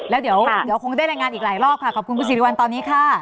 แล้วเดี๋ยวคงได้รายงานอีกหลายรอบค่ะขอบคุณคุณสิริวัลตอนนี้ค่ะ